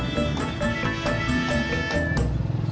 gue naik dulu ya